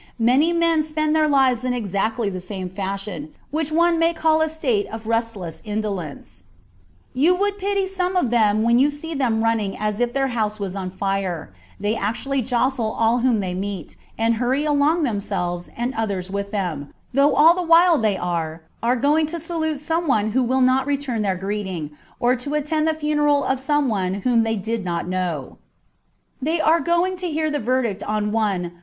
Many men spend their lives in exactly the same fashion, which one may call a state of restless indolence. You would pity some of them when you see them running as if their house was on fire : they actually jostle all whom they meet, and hurry along themselves and others with them, though all the while they are are going to salute some one who will not return their greeting, or to attend the funeral of some one whom they did not know : they are going to hear the verdict on one 278 MINOR DIALOGUES. [bK. IX.